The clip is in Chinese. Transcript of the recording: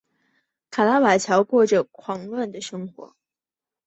卡拉瓦乔过着狂乱的生活。